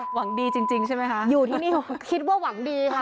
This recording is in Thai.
หวังดีจริงใช่ไหมคะหวังดีคิดว่าหวังดีค่ะ